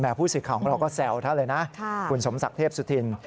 ผู้สื่อข่าวของเราก็แซวท่านเลยนะคุณสมศักดิ์เทพสุธิน